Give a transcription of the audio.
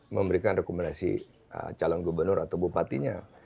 memberikan rekomendasi calon gubernur atau bupatinya